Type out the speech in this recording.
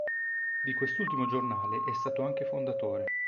Di quest'ultimo giornale è stato anche fondatore.